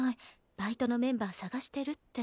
バイトのメンバー探してるって。